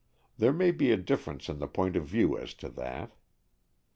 There may be a difference in the point of view as to that.